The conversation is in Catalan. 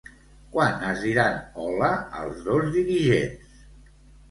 Quan es diran hola els dos dirigents?